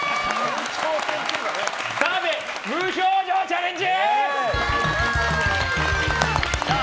澤部無表情チャレンジ！